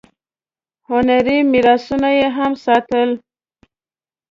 هنري میراثونه یې هم ساتل.